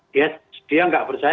dia tidak percaya